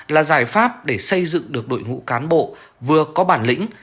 là giải pháp để xây dựng được đội ngũ cán bộ vừa có bản lĩnh